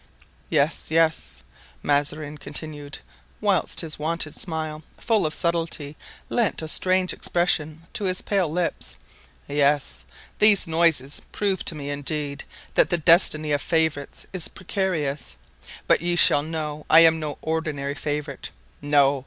"Yes, yes," Mazarin continued, whilst his wonted smile, full of subtlety, lent a strange expression to his pale lips; "yes, these noises prove to me, indeed, that the destiny of favorites is precarious; but ye shall know I am no ordinary favorite. No!